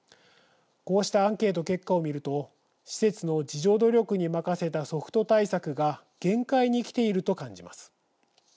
こうしたアンケート結果を見ると施設の自助努力に任せたソフト対策が限界にきていると感じます。